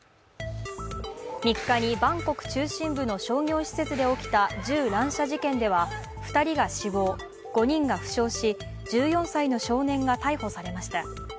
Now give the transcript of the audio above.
３日にバンコク中心部の商業施設で起きた銃乱射事件では２人が死亡、５人が負傷し１４歳の少年が逮捕されました。